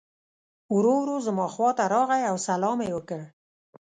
ورو ورو زما خواته راغی او سلام یې وکړ.